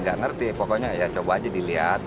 gak ngerti pokoknya coba aja dilihat